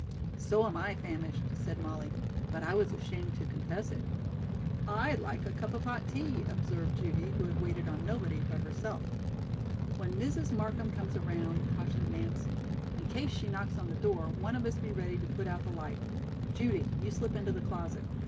"So am I famished," said Molly; "but I was ashamed to confess it." "I'd like a cup of hot tea," observed Judy, who had waited on nobody but herself. "When Mrs. Markham comes around," cautioned Nance, "in case she knocks on the door, one of us be ready to put out the light. Judy, you slip into the closet.